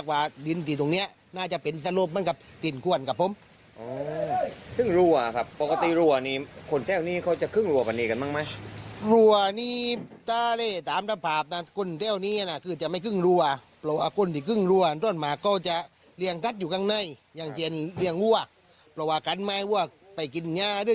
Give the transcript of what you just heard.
ความคิดเห็นของผู้ชมที่ดูข่าวหลังจากได้เห็นอะไรนะเอ่อ